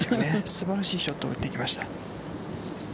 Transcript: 素晴らしいショットを打ってきました。